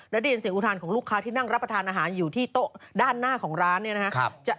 ได้ยินเสียงอุทานของลูกค้าที่นั่งรับประทานอาหารอยู่ที่โต๊ะด้านหน้าของร้านเนี่ยนะครับ